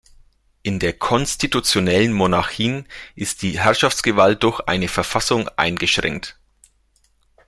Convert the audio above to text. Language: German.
In der konstitutionellen Monarchien ist die Herrschaftsgewalt durch eine Verfassung eingeschränkt.